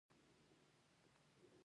پنېر د موسمي سړو پر مهال ګټور دی.